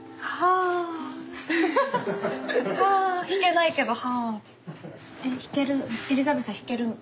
弾けないけど「はあ」って。